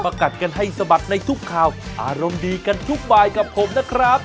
กัดกันให้สะบัดในทุกข่าวอารมณ์ดีกันทุกบายกับผมนะครับ